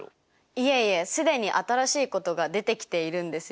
いえいえ既に新しいことが出てきているんですよ。